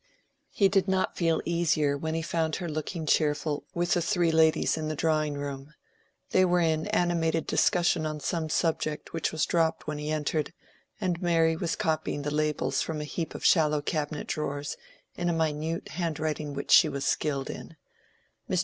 He did not feel easier when he found her looking cheerful with the three ladies in the drawing room. They were in animated discussion on some subject which was dropped when he entered, and Mary was copying the labels from a heap of shallow cabinet drawers, in a minute handwriting which she was skilled in. Mr.